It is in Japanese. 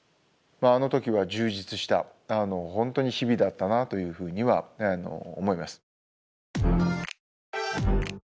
あの時は充実した本当に日々だったなというふうには思います。